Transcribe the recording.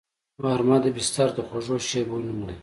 غرمه د بستر د خوږو شیبو نوم دی